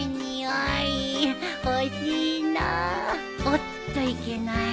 おっといけない。